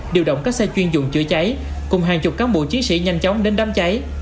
điều động các xe chuyên dụng chữa cháy cùng hàng chục cán bộ chiến sĩ nhanh chóng đến đám cháy